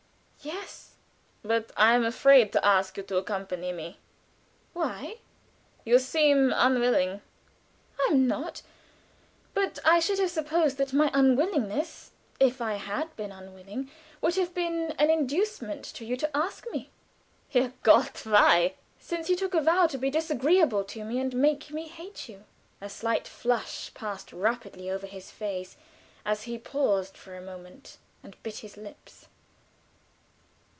"Yes." "But I am afraid to ask you to accompany me." "Why?" "You seem unwilling." "I am not: but I should have supposed that my unwillingness if I had been unwilling would have been an inducement to you to ask me." "Herrgott! Why?" "Since you took a vow to be disagreeable to me, and to make me hate you." A slight flush passed rapidly over his face, as he paused for a moment and bit his lips.